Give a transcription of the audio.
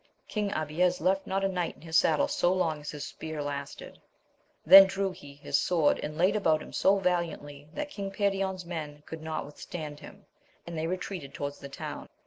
King Abies left not a knight in his saddle so long as his spear lasted ; then drew he his sword, and laid about him so valiantly that King Perion's men could not withstand him, and they retreated towards the town.